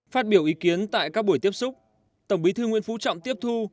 phát biểu ý kiến tại các buổi tiếp xúc tổng bí thư nguyễn phú trọng tiếp thu